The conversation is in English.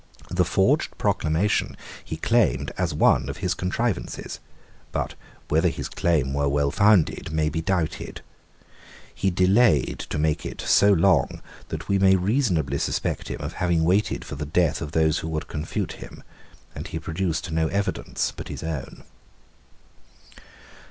The forged proclamation he claimed as one of his contrivances: but whether his claim were well founded may be doubted. He delayed to make it so long that we may reasonably suspect him of having waited for the death of those who could confute him; and he produced no evidence but his own.